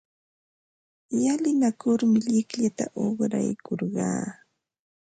Llalinakurmi llikllata uqraykurqaa.